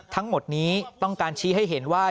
ทั้งหมดนี้ต้องการชี้ให้เห็นว่า